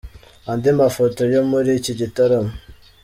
Andi mafoto yo muri iki gitaramo.